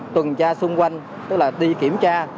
tuần tra xung quanh tức là đi kiểm tra